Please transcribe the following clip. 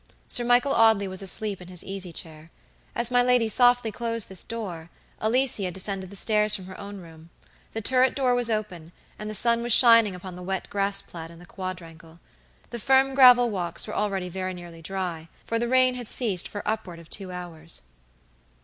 Sir Michael Audley was asleep in his easy chair. As my lady softly closed this door Alicia descended the stairs from her own room. The turret door was open, and the sun was shining upon the wet grass plat in the quadrangle. The firm gravel walks were already very nearly dry, for the rain had ceased for upward of two hours.